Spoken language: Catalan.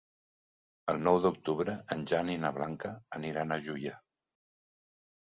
El nou d'octubre en Jan i na Blanca aniran a Juià.